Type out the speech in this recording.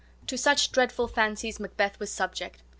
To such dreadful fancies Macbeth was subject.